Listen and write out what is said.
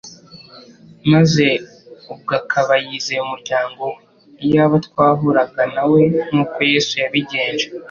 Maze ubwo akaba yizeye umunyago we. Iyaba twahuraga nawe nkuko Yesu yabigenje,